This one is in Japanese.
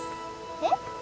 えっ？